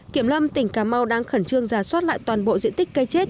kiểm lâm tỉnh cà mau đang khẩn trương giả soát lại toàn bộ diện tích cây chết